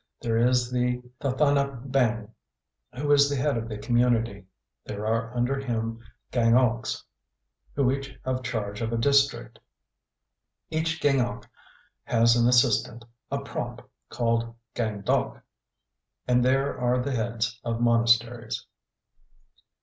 There is the Thathanabaing, who is the head of the community; there are under him Gaing oks, who each have charge of a district; each Gaing ok has an assistant, 'a prop,' called Gaing dauk; and there are the heads of monasteries.